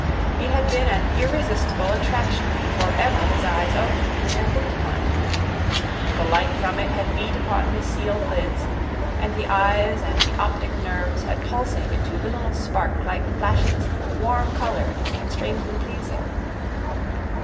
It had been an irresistible attraction before ever his eyes opened and looked upon it. The light from it had beat upon his sealed lids, and the eyes and the optic nerves had pulsated to little, sparklike flashes, warm coloured and strangely pleasing.